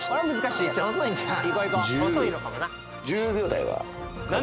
めっちゃ遅いんちゃうん？